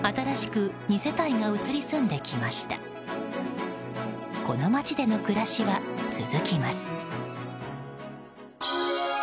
この街での暮らしは続きます。